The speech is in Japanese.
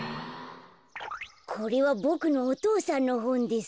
これはボクのお父さんのほんです。